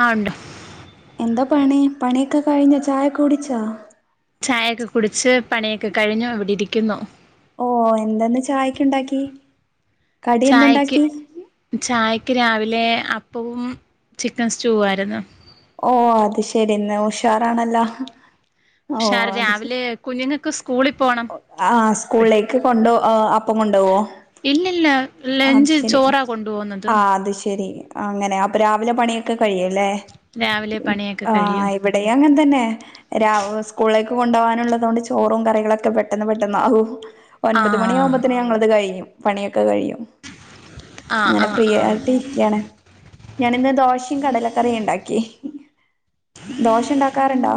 ആ ഉണ്ട് എന്താ പണി പണിയൊക്കെ കഴിഞ്ഞ് ചായ കുടിച്ചോ ചായയൊക്കെ കുടിച്ച് പണിയൊക്കെ കഴിഞ്ഞു ഇവിടെ ഇരിക്കുന്നു ഓ എന്താ ഇന്ന് ചായക്ക് ഉണ്ടാക്കി കടി എന്തുണ്ടാക്കി ക്ക് രാവിലെ അപ്പവും ചിക്കൻ സ്റ്റൂവും ആയിരുന്നു ഓ അത് ശരി ഇന്ന് ഉഷാറാണല്ലോ ഉഷാറ് രാവിലെ കുഞ്ഞുങ്ങക്ക് സ് ഒ ആ സ്കൂളിലേക്ക് കൊണ്ട് ഓ അപ്പം കൊണ്ടോവോ ഇല്ലില്ല അത് ലഞ്ച് ശരി ചോറാ കൊണ്ട് പോവുന്നത് ആ അത് ശരി അങ്ങനെ അപ്പൊ രാവിലെ പണിയൊക്കെ കഴിയുംലെ രാവിലെ പണിയൊക്കെ ആ കഴിയും ഇവിടെയും അങ്ങനെ തന്നെ രാവ് സ്കൂളിലേ ക്ക് കൊണ്ടോവാനുള്ളത് കൊണ്ട് ചോറും കറികളൊക്കെ പെട്ടെന്ന് പെട്ടെന്ന് ആകും ആ ഒൻമ്പത് മണിയാവുമ്പോത്ത്ന് ഞങ്ങൾത് കഴിയും പണിയൊക്കെ കഴിയും ആ ആ അങ്ങനെ ഫ്രീ ആ ആയിട്ട് ഇരിക്ക്യാണ് ഞാന്‌ന്ന് ദോഷിം കടലക്കറി ണ്ടാക്കി ദോശ ഉണ്ടാക്കാറുണ്ടോ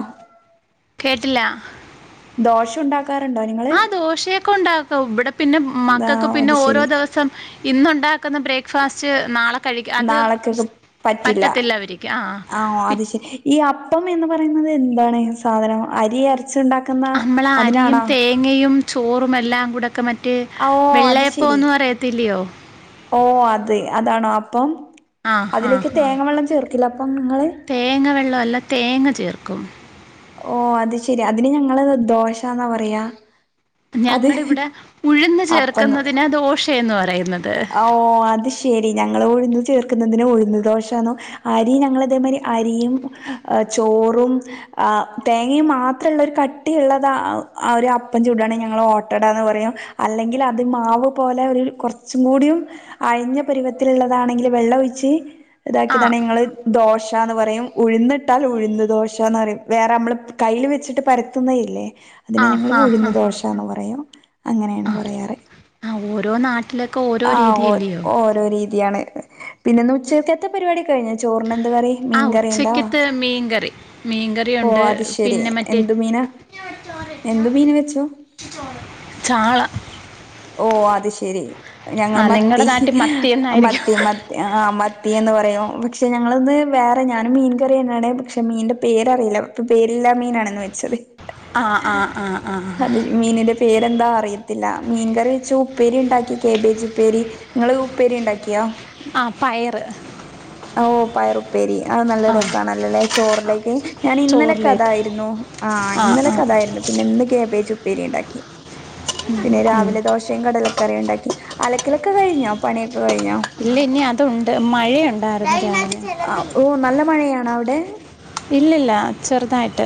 ദോശ ഉണ്ടാക് ആഹ് ദോശയെക്കെ ഉണ്ടാക്കും ഇവിടെ പിന്നെ ആ മക്കക്ക് പിന്നെ അത് ഓരോ ശരി ദിവസം ഇന്നുണ്ടാക്കുന്ന ബ്രേക്ക് ഫാസ്റ്റ് നാളെ കഴിക്ക് അത് നാളെക്കൊക്കെ സ് പറ്റില്ല പറ്റത്തില്ല അവർക്ക് ആ പ്പം എന്ന് പറയുന്നത് എന്താണ് സാധനം അരിയരി നമ്മൾ അരിയും തേങ്ങയും ചോറുമെല്ലാം കൂടക്കെ മറ്റ മറ്റേ ഓ അത് ശരി വെള്ളയപ്പോന്ന് പറയത്തില്ലയോ ഓ അത് അതാണോ അപ്പം ആ ആ അതിലേക്ക് ആ തേങ്ങ വെള്ളം ചേർക്ക്ല്ല അപ്പം നിങ്ങള് ല്ല തേങ്ങ ചേർക്കും ഓ അത് ശരി അതിന് ഞങ്ങള് ദോഷാന്നാ പറയാ അത് ഞങ്ങ്ട് വിടെ ഉഴ്ന്ന് അപ്പന്ന് ചേർക്കുന്നതിന് ദോഷ എന്ന് പറയും ഓ അത് ശെരി ഞങ്ങളുന് ചേർക്കുന്നതിന് ഉഴുന്ന് ദോഷന്നൊ അരി ഞങ്ങളതേമാതിരി അരിയും ചോറും ആഹ് തേങ്ങം മാത്രള്ള ഒരു കട്ടിയുള്ളതാആ [unintelligible] ഒരു അപ്പം ചൂടണെങ്കിൽ ഞങ്ങൾ ഓട്ടടന്ന് പറയും അല്ലെങ്കിൽ അത് മാവ് പോലെ ഒരു കുറ കുറച്ചും കൂടിയും അഴിഞ്ഞ പരിവത്തില്ള്ളതാണെങ്കി വെള്ള ഒഴിച്ച് ആ ഇതാക്കിയതാണ് നിങ്ങള് ദോ ദോശന്ന് പറയും ഉഴുന്നിട്ടാൽ ഉഴുന്ന് ദോശയന്ന് പറയും വേറെ നമ്മള് കയ്യിൽ വെച്ചിട്ട് പരത്തുന്നേയില്ലേ ആ അതിനെ ഞങ്ങൾ ആ ആ ഉഴുന്ന് ദോശാന്ന് പറയും അങ്ങനെയാണ് പറയാറ് ആ ഓരോ നാട്ടിലൊക്കെ ഓരോ ആഹ് ഓ രീതിയല്ലയോ ഓരോ രീതി യാണ് പിന്നെന്നു ക്കെത്ത പരിപാടി കഴിഞ്ഞ ചോറിനന്ത് കറി ആ മീൻ കറിയുണ്ടോ ഉച്ചക്കത്തെ മീൻകറി ഓ മീൻകറിയുണ്ട് അത് ശരി പിന്നെ മറ്റേ എന്ത് മീന എന്ത് മീൻ വെച്ചു ചാള ഓ അത് ശരി ഞങ്ങൾ ആ നിങ്ങളുടെ മത്തി നാട്ടിൽ മത്തി എന്നായിരിക്കും മത്തി മ ആ മത്തിയന്ന് പറയും ക്ഷെ ഞങ്ങളത് വേറെ ഞാനും മീൻ കറി എന്നാണ് പക്ഷെ മീന്റെ പേര് അറീല്ല ഇപ്പൊ പേരില്ല മീനാണന്ന് വെച്ചത് ആ ആ ആ ആ അത് മീനിന്റെ പേരെന്താ അറിയ ത്തില്ലാ മീൻകറി വെച്ചു ഉപ്പേരി ഉണ്ടാക്കി കേബേജ് ഉപ്പേരി നിങ്ങള്ൾ ഉപ്പേരി ഉണ്ടാക്കിയോ ആഹ് പയറ് ഓഹ് പയറുപ്പേരി അഅ് നല്ല രസാണല്ലല്ലേ ചോറിലേക്ക് ഞാൻ ഇന്നലൊക്കെ ചോറിലേക്ക് അതായിരുന്നു ആഹ് ആ ആ ഇന്നലൊക്കെ അതായിരുന്നു പിന്നെ ഇന്ന് ക്യാബ് ക്യാബേജുപ്പേരി ഇണ്ടാക്ക്യാെ പിന്നെ ഉം. രാവിലെ ദോശയും കടലക്കറി ണ്ടാ അലക്കലക്കെ കഴിഞ്ഞോ പണിയോ ഇല്ല ഇനി അതൊണ്ട് മഴയോ ഓ നല്ല മഴയാണോ അവ്ടെ ഇല്ലില്ല ചെറുതായിട്ട്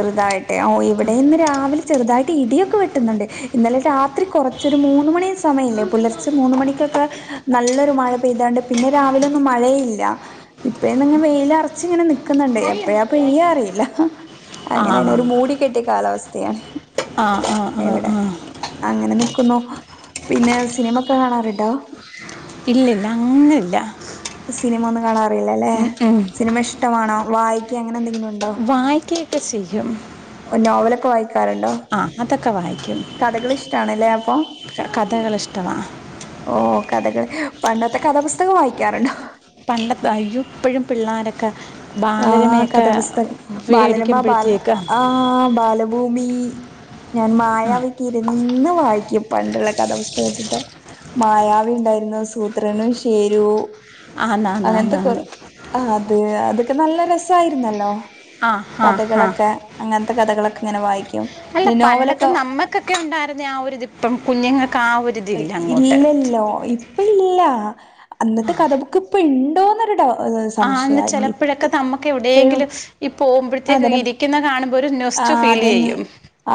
ചെറുതായിട്ട് ഓ ഇവിടെ ഇന്ന് രാവിലെ ചെറുതായിട്ട് ഇടിയൊക്കെ വെട്ടുന്നോണ്ട് ഇന്നലെ രാത്രി കൊറച്ചൊരു മൂന്നു മണി സമയില്ലേ പുലർച്ച മൂന്നു മണിക്കൊക്കെ നല്ലൊരു മഴ പെയ്താണ്ട് പിന്നെ രാവിലൊന്നും മഴയില്ല ഇപ്പഴന്ന ഇങ്ങെ വെയിലറച്ച ഇങ്ങനെ നിക്കുന്ന്ണ്ട് എപ്പഴാ പെയ്യാ അറില്ല ആ അങ്ങനെയാണ് ഒരു മൂടിക്കെട്ടിയ കാലാവസ് സ്ഥയാണ് ആഹ് ആഹ് ആഹ് ആഹ് അങ്ങനെ നിക്കുന്നു പിന്നെ സിനിമക്കെ കാണാറ്ണ്ടൊ ഇല്ല ഇല്ല അങ്ങന ഇല്ല സിനിമ ഒന്ന് കാണാ റില്ലല്ലേ സിനിമ ഇഷ്ട്ടവാണോ വായിക്ക അങ്ങനന്തെങ്കിലും ഉ വായിക്കക്കെ ചെയ്യും ക്കാറുണ്ടോ ആ അതൊക്കെ വായിക്കും കഥകളിഷ്ടണല്ലേ അപ്പോ ക- കഥകൾ ഇഷ്ടമാണ് ഓഹ് കഥകള് പണ്ടത്തെ കഥാപുസ്തകം വായിക്കാറുണ്ടോ പണ്ടത്തെ അയ്യോ ഇപ്പഴും പിള്ളരൊക്കെ ആ കഥാപുസ്തകം ബാലരമ ബാല മേടിക്കുമ്പോഴത്തേക്ക് ആഹ് ബാലഭൂമി ഞാൻ ആ മായവിക്കെ ഇരുന്ന് വായിക്കും പണ്ടുള്ള കഥാപുസ്തകത്തിന്റെ മായവി ഉണ്ടായിരുന്നു സൂത്രനും ഷേരു ആ ആ അങ്ങനത്തെ ആ കൊറേ അത് അത് നല്ല രസായിരുന്നല്ലോ ആ ആ ആ കഥകളൊക്കെ അങ്ങ കഥകളക്കെ ഇങ്ങനെവായിക്കും അല്ല പണ്ടത്തെ നമ്മക്കൊക്കെ ഒണ്ടാരുന്ന ആ ഒരിതിപ്പം കുഞ്ഞുങ്ങക്ക് ആ ഒരു ഇല്ലല്ലോ ഇപ്പ ഇല്ല അന്നത്തെ കഥ ബുക്ക് ഇപ്പ ഇണ്ടോന്നൊരു ഡ ആന്ന് ചെലപ്പഴൊക്കെ നമ്മക്ക് എവിടെങ്കിലും ഈ പോവുമ്പഴത്തേക്ക് അതന്നെ ഇരിക്കുന്ന കാണുമ്പോൾ ഒരു ആ നോസ്റ്റു അതന്നെ ഫീലേയ്യും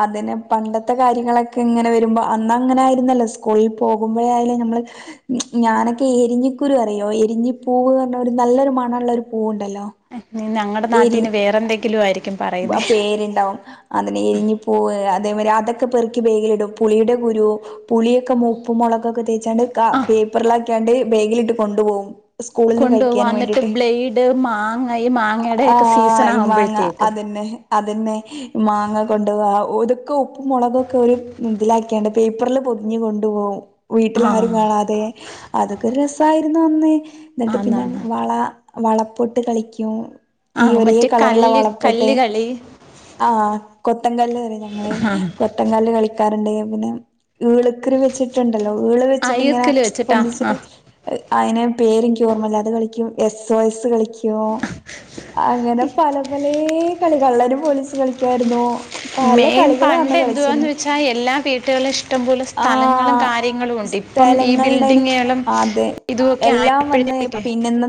അതന്നെ പണ്ടത്തെ കാര്യങ്ങളൊക്കെ ഇങ്ങനെ വരുമ്പോ അന്ന് അങ്ങനെ ആയിരുന്നല്ലോ സ് സ്കൂളിൽ പോകുമ്പോഴയാലും ഞമ്മള് ഞാനൊക്കെ എരിഞ്ഞിക്കുരു അറിയോ എരിഞ്ഞി പൂവ് ന്ന് പറഞ്ഞ ഒരു നല്ലൊരു മണവുള്ള ഒരു പൂവുണ്ടല്ലോ എ [unintelligible] ഇനി ഞങ്ങടെ നാട്ടീ ഇനി വേറെ എന്തെങ്കിലും ആയിരിക്കും പറയുന്നേ പേരിണ്ടാവും അതിനെ ഇരിഞ്ഞി പോ അതേമാരി അതൊക്കെ പെറുക്കി ബേഗ്ലിടും. പുളിയുടെ കുരു, പുളിയൊക്കെ മൂപ്പും മൊള കക്കെ തേച്ചാണ്ട് ആ പേപ്പർല ആക്കിയാണ്ട്. ബേഗിലിട്ട് കൊണ്ടുപോവും. കൊണ്ടുപോക എന്നിട്ട് ബ്ലെയഡ് മാങ്ങ മാങ്ങയുടെക്കെ സീസൺ ആവുമ്പോഴത്തേ അതെന്നെ. അതന്നെ മാങ്ങ കൊണ്ടോവാ. ഓര്ക്ക് ഉപ്പും, മുളകൊക്കെ ഒരു ഇതിലാക്കിയണ്ട് പേപ്പർ പൊതിഞ്ഞ് കൊണ്ടുപോവും. വീട്ടിൽ ആ ആരും കാണാതെ അതൊക്കെ രസായി പി നന്ദി ന്നിട്ട് പിന്നെ ആന്നാന്ന് വള വളപ്പൊട്ട് കളിക്കും. ആ ഈ ഒരേ മറ്റേ കളറുള്ള കല്ല് വള ട്ട് കല്ല് കളി ആ കൊത്തങ്കല് അറീം ഞങ്ങള് കൊത്തങ്കല്ല് കളിക്കാ വേറെന്തെയ്യാ പിന്നെ ഈളക്കറി വെച്ചിട്ടുണ്ടല്ലോ ഈള് ആ വെച്ചിട്ടിങ്ങനെ ഈർക്കിൽ വെച്ചിട്ടാ ആ പൊന്തിച്ചിട്ട് അതിനെ പേര് ഇന്ക് ഓർമ്മല്ലാ അത് കളിക്കും എസ് ഒ എസ് കളിക്കും അങ്ങനെ പലതരം പലേ കളി കള്ളര് പോലീസ് കളിക്കായിരുന്നു. മെയിൻ പണ്ട് എന്തുവാന്ന് വെച്ചാൽ എല്ലാ വീട്ടുകളും ഇഷ്ടംപോലെ സ്ഥലങ്ങളും ആഹ് കാര്യങ്ങളും ഉണ്ട് ഇപ്പം ഈ സ്ഥലങ്ങളുടെനി ബിൽഡിങ്ങുകളും അതെ ഇതുമൊക്കെ എല്ലാം വന്ന് ആയപ്പോഴത്തേക്ക് പിന്നെ ഇന്ന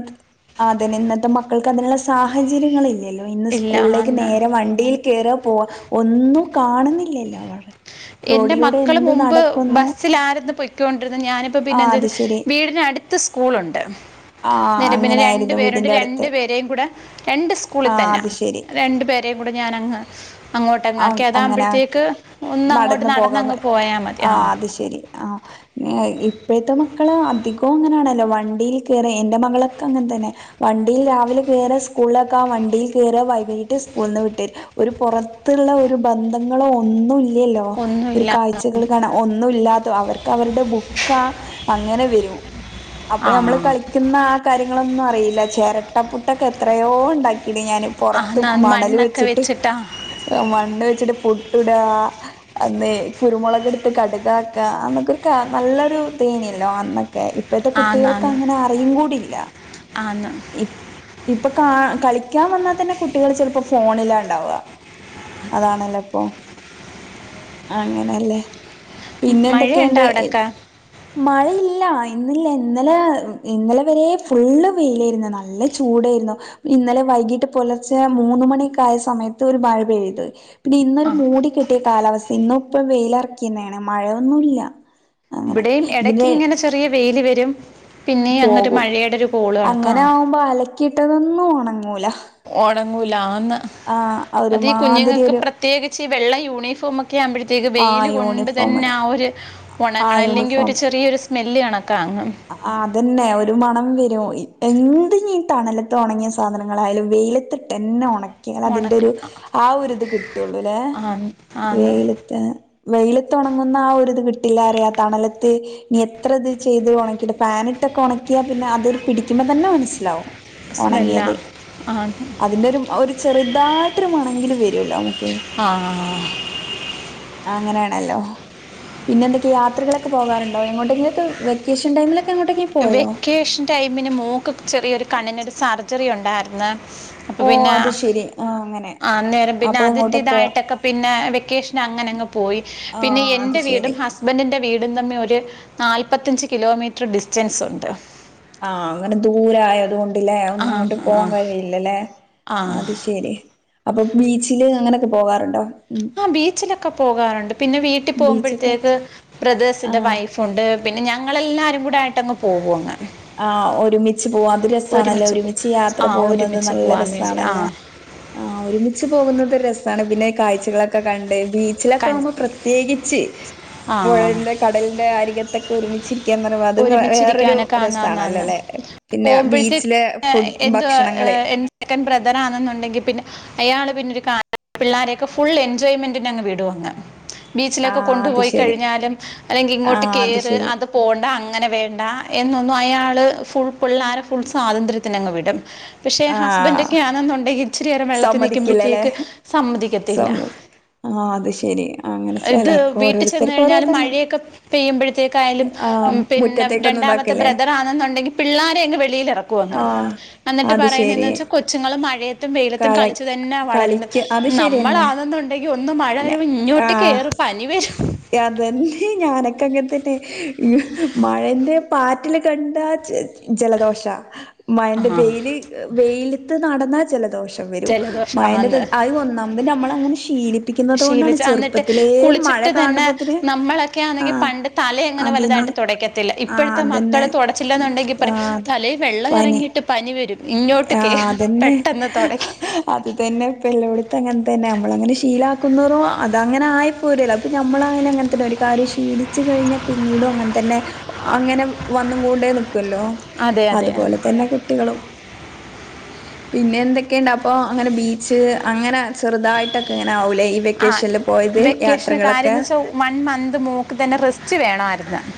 അതെ നിന്നത്തെ മക്കൾ ക്ക് അതിനുള്ള സാഹചര്യങ്ങളല്ലല്ലോ? ഇന്ന് ഇല്ല സ്കൂളിലേക്ക് ആന്ന് നേരെ വണ്ടിയിൽ കേറുക പോക ഒന്നും കാണുന്നില്ലല്ലോ വള റോഡിലൂടെ എന്ത് നട മ്പ് ബസ്സിലായിരുന്നു പൊയ്ക്കൊണ്ടിരുന്നത് ഞാനിപ്പോ പിന്നെ ആഹ് അത് എന്തേയ്ത് ശരി വീടടുത്ത പത്ത് സ്കൂളുണ്ട്. ആഹ് അന്നേരം പിന്നെ രണ്ട് അങ്ങനായിരുന്നു പേരുണ്ട് വീടിന്റെ രണ്ട് അടുത്ത് പേരെയും കൂടെ രണ്ട് സ്കൂളിൽ ആഹ് തന്നെയ അത് ശരി രണ്ട് പേരെയും കൂടെ ഞാനങ് അങ്ങോട്ട് അ അങ്ങനെ ആക്കി ട്ടങ്ങക്കെഏതാകുമ്പോഴത്തേക്ക് ഒന്ന് അങ്ങോട്ട് നടന്നു പോകാൻ പ നടന്നങ്ങ് പോയാൽ മതി ആ ആഹ് അത് ശരി ആ ഇപ്പോഴത്തെ മക്കള് അധികവും അങ്ങനെയാണല്ലോ വണ്ടിയിൽ കേറുവാ എന്റെ മകളൊക്കെ അങ്ങനെ തന്നെ വണ്ടിയിൽ രാവിലെ കേയറ സ്കൂളിലൊക്കെ വണ്ടിൽ കയറ വൈകട്ട് സ്കൂളിൽ നിന്ന് വിട്ടേ ഒരു പുറ ത്തുള്ള ഒരു ബന്ധങ്ങളോ ഒന്നു ല്ലല്ലോ ഒരു ഒന്നുമില്ല കാഴ്ചകൾ കാണ ഒന്നും ഇല്ലാതോ അവർക്ക്. അവരുടെ ബുക്കാ അങ്ങനെ വരും അപ്പൊ നമ്മള് ആ കളിക്കുന്ന ആ കാര്യങ്ങളൊന്നും അറിയില്ല ചിരട്ടപ്പുട്ടൊക്കെ എത്രയോ ഉണ്ടാ ക്കിന്നെ ഞാൻ പറ്റത്ത് ആന്ന് ആന്ന് മണൽ മണ്ണൊക്കെ വെച്ചിട്ട് വെച്ചിട്ടാ മണ്ണ് വെച്ചിട്ട് പുട്ടുടാ അന്നേ കുരുമുളക് എടു കടുക്കക അനോക്കെ നല്ലൊരു ഇതേനല്ലോ അന്നേ കെ ഇപ്പഴത്തെ ആന്ന് കുട്ടികൾക്ക് ആന്ന് അങ്ങനെ അറിയ കൂടില്ല ആന്ന് ഈ ഇപ്പൊ ക കളിക്കാൻ വന്നാൽ തന്നെ കുട്ടികൾ ചിലപ്പോ ഫോണിലാ ഉണ്ടാവുക ക അതാണല്ലേ ഇപ്പൊ അങ്ങനെല്ലേ പിന്നെ മഴയുണ്ടോ എന്തൊക്കെയണ്ട് അവിടൊക്കെ മഴയില്ല ഇന്നില്ല ഇന്നലെ ഇന്നലെ വരെ ഫുള്ള് വെയിലായിരുന്നു നല്ല ചൂടായിരുന്നു ഇന്നലെ വൈകീട്ട് പുലർച്ചെ മൂന്ന മണിയൊക്കെ ആയ സമയത്ത് ഒരു വഴ പെയ്ത് പിന്നെ ഇന്നൊരു മൂടി കെട്ടിയ കാലാവസ്ഥ ഇന്നും ഇപ്പൊ വെയിലറക്കിയുന്നാണ് മഴയൊന്നുല്ല ഇവിടെയും ഇടക്ക് ഇങ്ങനെ ചെറിയ വെയില് വരും പിന്നെ അങ്ങനെ ഒരു പോകും മഴയുടെ ഒരു കോൾ കാണും കിട്ടതൊന്നും ഉണങ്ങൂല ഉണങ്ങൂലാന്ന് ആ അത ഈ ഒരുമാതിരി കുഞ്ഞുങ്ങൾക്ക് ഒരു പ്രത്യേക ച്ച് വെള്ള യൂണിഫോം ഒക്കെ ആകുമ്പോഴത്തേക്ക് ആ വെയിൽ കൊണ്ട് യൂണിഫോം തന്നെ ആ ഒരു ഉണങ്ങ അല്ലെങ്കിൽ ഒരു യൂണിഫോം ചെറിയൊരു സ്മെൽ കാണ ആ അതന്നെ ഒ ഒരു മണം വരും എന്തീ തണലത്ത് ഉണങ്ങിയ സാധനങ്ങളായാലും വെയിലത്തിട്ട് തന്നെ ഉണ കെ അതിന്റെ ഒരു ഉണക്ക ആ ഒരുരിത് കിട്ടുള്ളുല്ലെ ആന്ന് ആന്ന് വെയിലത്ത് വെയിലത്തണങ്ങുന്ന ആ ഒരുത് കിട്ടില്ല അറിയ തണലത്ത് എനി എത്ര ഇത് ചെയ്ത് ഉണ പാനിട്ടൊക്കെ ഉണക്കിയാ പിന്നെ അത് പിടിക്കുമ്പോ തന്നെ മനസ്സിലാവും സ്മെല്ലാ ഉണങ്ങിയത് ആന്ന് അതിന്റെ ഒരു ഒരു ചെറുതായിട്ടരുമണെങ്കിൽ വരുല്ലോ നമക്ക് ആ അങ്ങനെയാണ് ഹല്ലോ പിന്നെ എന്തൊക്കെയാ യാത്രകളൊക്കെ പോകാറുണ്ടോ എങ്ങോട്ടൊക്കെ വെക്കേഷന് ടൈമിൽ വെക്കേഷൻ ടൈമിന് മോൾക് ചെറിയൊരു കണ്ണിനൊരു സർജറി ഉ ണ്ടായിരുന്നെ അ ഓ പിന്നെ അത് ശെരി ആ അങ്ങനെ ആന്നേരം പിന്നെ അപ്പൊ അതിന്റെ അങ്ങോട്ട് പോ ഇതായിട്ടൊക്കെ പിന്നെ വെക്കേഷൻ അങ്ങനെങ്ങ പോയി ആ പിന്നെ അത് എന്റെ വീടും ശരി ഹസ്ബൻഡിന്റെ വീടും തമ്മിൽ നാൽപ്പത്തഞ്ച് കിലോമീറ്റർ ഡിസ് റ്റൻസ് ഉണ്ട് ആ അങ്ങനെ ദൂരം ആയത് കൊണ്ട് ഒന്നും ആ അങ്ങോട്ട്‌ ആ പോവാൻ കഴിയില്ലല്ലോ ആ അത് ശരി അപ്പൊ ബീച്ചിലെ അങ്ങനെ പോകാറുണ്ടോ ഉം ആ ബീച്ചിലൊക്കെ പോകാറുണ്ട് പിന്നെ വീട്ടിൽ ബീച്ചൊക്കെ പോകുമ്പോഴത്തേക്ക് ആ ബ്രദേേഴ്സിന്റെ വൈഫുണ്ട് പിന്നെ ഞങ്ങളെല്ലാവരും കൂടെ ആയിട്ട് അങ്ങ് പോകും അങ്ങ് ആഹ ഒരുമിച്ച് പോകും അത് രസമാണല്ലോ പോ- ഒരുമിച്ച് യാത്ര ആ പോകുന്നത് ഒരുമിച്ച് നല്ല പോകാൻ വേണ്ടി ആ രസമാണല്ലോ ആ ഒരുമിച്ച് പോകുന്നത് രസമാണ് പിന്നെ കാഴ്ച ളക്കെ കണ്ട് ബീച്ചിലൊക്കെ കൺ ആവുമ്പോ പ്രത്യേകിച്ച് ആ പുഴന്റെ കടലിന്റെ അരികത്ത് ഒരുമിച്ചിരിക്കാൻ കാൻ അത വേറൊരു ആന്ന് രസാണല്ലോ ആന്ന് ല്ലേ പിന്നെ പോകുമ്പോഴത്തേക്കും ബീച്ചിലെ എ ഫുഡ് എന്റെ ഭക്ഷണങ്ങള് സെക്കൻഡ് ബ്രദറ ആണെന്നുണ്ടെങ്കിൽപിന്നെ പിന്നെ അയാള് പിന്നെ പിള്ളാരെയൊക്കെ ഫുൾ എൻജോയ്മെന്റിന് അങ്ങ് വീടും അങ്ങ് ബീച്ചിൽ ഒക്കെ ആഹ് അത് കൊണ്ടുപോയി ശരി കഴിഞ്ഞാലും അല്ലെങ്കിൽ ഇങ്ങോട്ട് ആഹ് കേറി ശരി അത് പോകണ്ട വേണ്ട എന്നൊന്നും അയാള് ഫുൾ പിള്ളോര ഫുൾ സ്വാതന്ത്ര്യത്തിന് അങ്ങ് വിടും പക്ഷെ ഹസ്ബൻഡ് ആഹ് ഓക്കെ ആണെന്നുണ്ടെങ്കിൽ ഇച്ചിരി നേരം വെള്ളത്തിൽ സമ്മതിക്കില്ലല്ലേ നിൽക്കുമ്പോഴത്തേക്ക് സമ്മതിക്കത്തില്ല സമ്മ ആ അത് ശരിയ ഇത് വീട്ടിൽ ചെന്ന് കഴിഞ്ഞാലും മഴയൊക്കെ പെയ്യുമ്പോഴത്തേക്കായാലും ആഹ് പിന്നെ മുറ്റത്തേക്കൊന്നും രണ്ടാമത്തെ ഇതാക്കല്ലേ ബ്രദർ ആണെന്നുണ്ടെങ്കിൽ പിള്ളോരെയ അങ്ങ് വെളിയിൽ ഇറക്കുവന്ന് ആഹ് എന്നിട്ട് അത് പറയുന്ന എന്ത ശെരി വച്ചാൽ കൊച്ചുങ്ങളും മഴയത്തും വെ കള കളിച്ചു തന്നെ വളരണം കളിക്ക് അത് നമ്മൾ ശെരിയെന്നെ ആവുന്നുണ്ടെങ്കിൽ ഒന്ന് മഴ വരുമ്പോ ഇങ്ങോട്ട് ആ കയറും പനി വരും അതന്നെ ഞാനൊക്കെ അങ്ങനെതന്നെ മഴന്റെ പാറ്റില് കണ്ട ചി ജലദോഷ മഴയന്റെ ആ വെയില് വെൽ നടന്ന ജലദോഷം വരും ജലദോഷം മഴന്റെ അത് ഒന്നാമത് നമ്മൾ അങ്ങനെ ശീല ശീലിച്ചു എന്നിട്ട് കുളിച്ചിട്ട് തന്നെ കാണുമ്പോത്തിന് നമ്മളൊക്കെയ ആണെങ്കിൽ ആഹ് പണ്ട് തല അങ്ങനെ അതിന് വലുതായിട്ട് തുടയ്ക്കത്തില്ല ആഹ് ഇപ്പോഴത്തെ അതന്നെ മക്കള് തുടച്ചില്ല എന്നുണ്ടെങ്കിൽ പറയാം തലൽ വെള്ളം ഇറങ്ങിയിട്ട് പനി വരും ഇങ്ങോട്ട് ആ കേ അതന്നെ പെട്ടെന്ന് തുടയ്ക്കും അത് തന്നെ ഇപ്പല്ലോ അ അങ്ങനെ തന്നെ നമ്മളങ്ങനെ ശീലാക്കുന്നോറും അത അങ്ങനെ ആയിപ്പോരല്ല അപ്പൊ നമ്മള ആയാലും അങ്ങനെ തന്നെ ഒരു കാര്യം ശീലിച്ചു കഴിഞ്ഞ പിന്നീടും അങ്ങനെ തന്നെ അങ്ങനെ വന്നും കൊണ്ടേ നിക്കല്ലോ അതെ അതെ അതുപോലെ തന്നെ കുട്ടികളും പിന്നെ എന്തൊക്കെയണ്ട് അപ്പൊ അങ്ങനെ ബീച്ച് അങ്ങനെ ചെറുതായിട്ടൊക്കെ ഇങ്ങനെ ആവൂലേ ഈ ആ വെക്കേഷനിൽ പോയത് വെക്കേഷന് കാര്യം യാത്രകളൊക്കെ എന്ന് വെച്ചാൽ വൺ മന്ത് മോക്ക് തന്നെ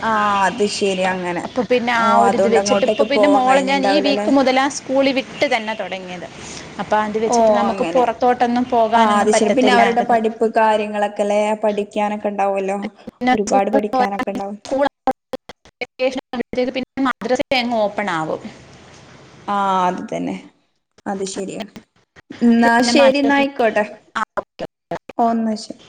ആ അത് ശരി- അങ്ങനെ അപ്പൊ പിന്നെ ആ ഓഹ് ഒരു ഇത് അതുകൊണ്ട് വെച്ചിട്ട് ഇപ്പൊ അങ്ങോട്ടേക്ക് പിന്നെ പോവാൻ മോളെ ഞാൻ ഈ വീക്ക് കഴിഞ്ഞിണ്ടാവില്ലല്ലേ മുതലാ സ്കൂളിൽ വിട്ട് തന്നെ തൊടങ്ങിയത് അപ്പൊ അത് ഓ വെച്ചിട്ട് നമുക്ക് അങ്ങനെ പുറത്തോട്ടൊന്നും ആ പോകാനൊന്നും അത് ശരി പിന്നെ പറ്റത്തില്ലാര്ന്ന്- ക്കാനൊക്കെ ഉണ്ടാവുല്ലോ- ഒരുപാട് പഠിക്കാനൊക്കെ ഇണ്ടാവും- [unintelligible] പിന്നെ മദ്രസിലെങ്ങ് ഓപ്പൺ ആവും- ആഹ് അതുതന്നെ- അത് ശരിയാണ്- ഇന്നാ പിന്നെ മദ്രസ ശരിന്നാ ആയിക്കോട്ടെ ആ ഓ ന്നാ ശരി-